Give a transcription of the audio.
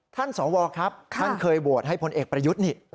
ท่านสอวรครับเขาเคยโวตให้ผลเอกประยุทธ์